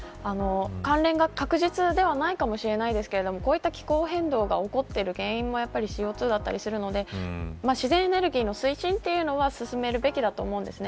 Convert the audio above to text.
関連が確実ではないかもしれませんが、こういった気候変動が起こっている原因はＣＯ２だったりするんで自然エネルギー推進というのは進めるべきだと思うんです。